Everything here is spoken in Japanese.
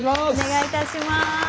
お願いいたします！